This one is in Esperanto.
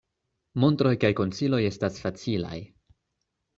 Montroj kaj konsiloj estas facilaj.